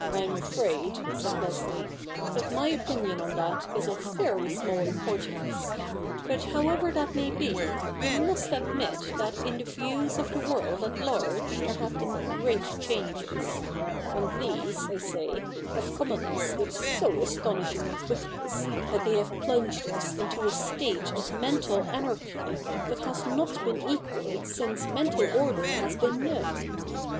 * I'm afraid,' said Leslie, ' that my opinion on that is of very small importance. But, however that may be, you must admit that in the views of the world at large there have been great changes ; and these, I say, have come on us with so astonishing a quickness that they have plunged us into a state of mental anarchy that has not 44 THE NEW REPUBLIC [bk. i been equalled since mental order has been known.